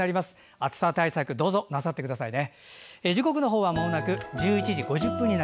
暑さ対策をどうぞ、なさってくださいね。